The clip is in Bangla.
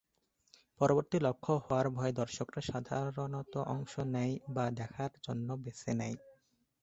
পরবর্তী লক্ষ্য হওয়ার ভয়ে দর্শকরা সাধারণত অংশ নেয় বা দেখার জন্য বেছে নেয়।